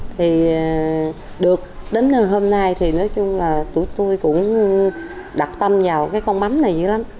thì được đến hôm nay thì nói chung là tụi tôi cũng đặt tâm vào cái con mắm này vậy lắm